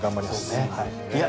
いや